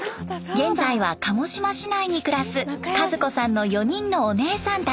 現在は鹿児島市内に暮らす和子さんの４人のお姉さんたち。